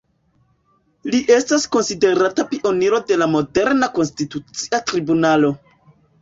Li estas konsiderata pioniro de la moderna Konstitucia tribunalo.